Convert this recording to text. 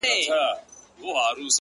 o ما خپل پښتون او خپل ياغي ضمير كي؛